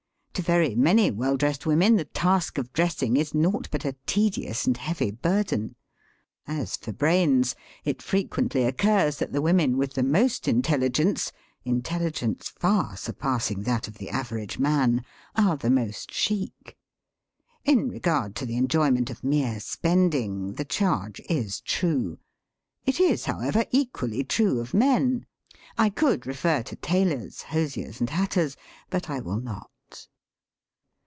To very many well dressed women the task of dress ing is naught but a tedious and heavy burden. As for brains, it frequently occurs that the women with the most inteihgcnce (intelligence far surpassing that of the average man) arc the most chic. In regard to the enjoyment of mere spend ing, the charge is true. It is, however, equally true of men. I could refer to tailors, hosiers, and hatters, but I will not.